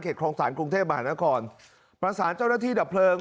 คลองศาลกรุงเทพมหานครประสานเจ้าหน้าที่ดับเพลิง